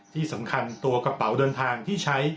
ที่สำคัญตัวกระเป๋าเดินทางที่ใช้